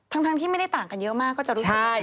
ทั้งที่ไม่ได้ต่างกันเยอะมากก็จะรู้สึกได้